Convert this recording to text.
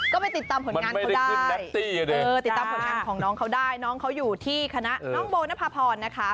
ก็ไปติดตามผลงานเขาได้ติดตามผลงานของน้องเขาได้น้องเขาอยู่ที่คณะน้องโบนภาพรนะคะ